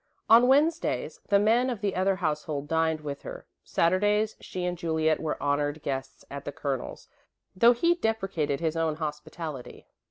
On Wednesdays, the men of the other household dined with her. Saturdays, she and Juliet were honoured guests at the Colonel's, though he deprecated his own hospitality.